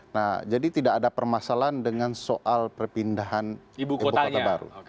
nah jadi tidak ada permasalahan dengan soal perpindahan ibu kota baru